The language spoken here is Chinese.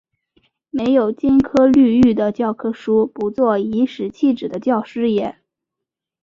没有金科绿玉的教科书，不做颐使气指的教师爷